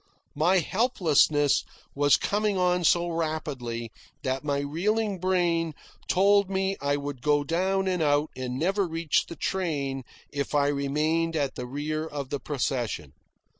My helplessness was coming on so rapidly that my reeling brain told me I would go down and out and never reach the train if I remained at the rear of the procession.